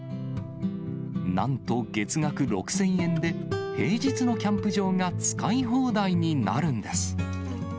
なんと月額６０００円で、平日のキャンプ場が使い放題になるんです。